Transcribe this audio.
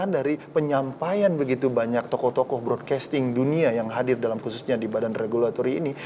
karena dari penyampaian begitu banyak tokoh tokoh broadcasting dunia yang hadir dalam khususnya di badan regulatory ini